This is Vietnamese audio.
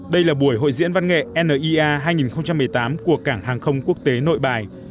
đây là buổi hội diễn văn nghệ nia hai nghìn một mươi tám của cảng hàng không quốc tế nội bài